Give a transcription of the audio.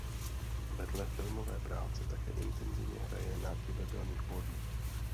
Vedle filmové práce také intenzivně hraje na divadelních pódiích.